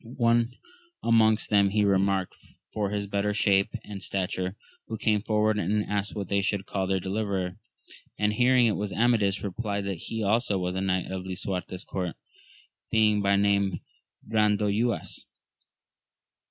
One among them he remarked for his better shape and stature, who came forward and asked what they should call their deliverer ; and hearing it was Amadis, replied that he also was of King Lisuarte's court, being by name Brandoyuas.